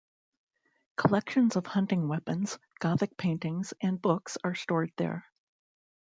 Collections of hunting weapons, Gothic paintings and books are stored there.